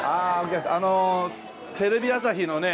あのテレビ朝日のね